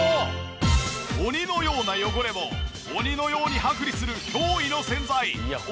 鬼のような汚れも鬼のように剥離する驚異の洗剤鬼